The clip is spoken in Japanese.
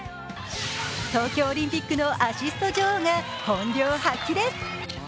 東京オリンピックのアシスト女王が本領発揮です。